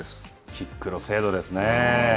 キックの精度ですね。